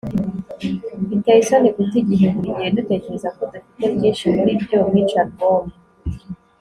biteye isoni guta igihe. buri gihe dutekereza ko dufite byinshi muri byo. - mitch albom